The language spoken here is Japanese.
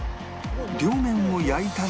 両面を焼いたら